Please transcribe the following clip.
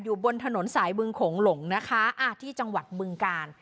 อยู่บนถนนสายเมืองของลุงนะคะที่จังหวัดเมืองกาล